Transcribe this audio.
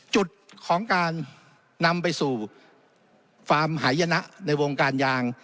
จุดของการนำไปสู่ฟาร์มหายนะในวงการยาง